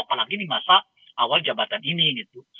apalagi di masa awal jabatan ini gitu